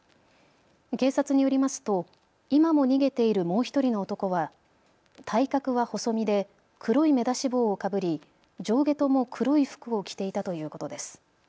警察によりますと今も逃げているもう１人の男は体格は細身で黒い目出し帽をかぶり上下とも黒い服を着ていたということです。